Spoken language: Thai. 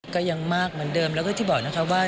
ก็ยังมากเหมือนเดิมแล้วก็ที่บอกนะคะว่า